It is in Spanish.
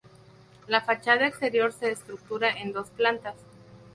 La fachada exterior se estructura en dos plantas.